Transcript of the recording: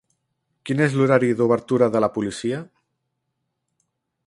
Quin és l'horari d'obertura de la policia?